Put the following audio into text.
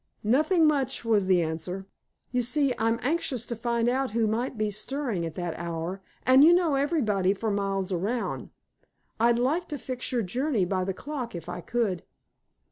"Nothing much," was the answer. "You see, I'm anxious to find out who might be stirring at that hour, an' you know everybody for miles around. I'd like to fix your journey by the clock, if I could."